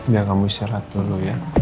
biar kamu istirahat dulu ya